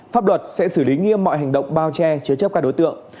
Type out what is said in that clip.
pháp luật sẽ xử lý nghiêm mọi hành động bao che chứa chấp các đối tượng